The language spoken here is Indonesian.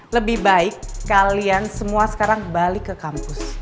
lebih baik kalian semua sekarang balik ke kampus